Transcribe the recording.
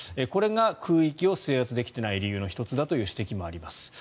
これが空域を制圧できていない理由の１つだという指摘もあります。